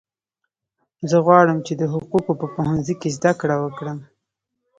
زه غواړم چې د حقوقو په پوهنځي کې زده کړه وکړم